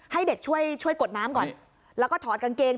ให้เด็กช่วยกดน้ำก่อนแล้วก็ถอดกางเกง